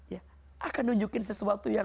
ya akan nunjukin sesuatu yang